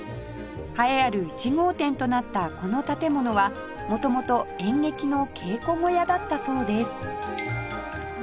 栄えある１号店となったこの建物は元々演劇の稽古小屋だったそうです